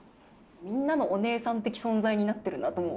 みんなのおねえさん的存在になってるなとも。